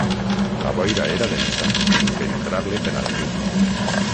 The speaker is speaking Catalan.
La boira era densa i impenetrable per a la llum.